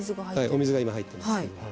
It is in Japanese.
お水が今入ってますけども。